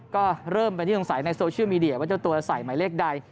ก็เริ่มเป็นที่สงสัยในโซเชียลมีเดียว่าเจ้าตัวใส่หมายเลขใด